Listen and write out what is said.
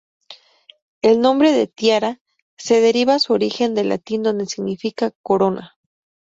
El nombre de "Tiara" se deriva su origen del latín donde significa Corona.